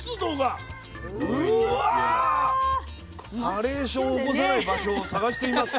ハレーションを起こさない場所を探してみます。